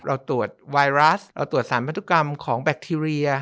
เราตรวจไวรัสเราตรวจสารพันธุกรรมของแบคทีเรีย